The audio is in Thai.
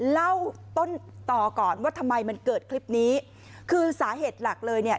เล่าต้นต่อก่อนว่าทำไมมันเกิดคลิปนี้คือสาเหตุหลักเลยเนี่ย